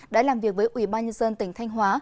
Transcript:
đã làm việc với ủy ban nhân dân tỉnh thanh hóa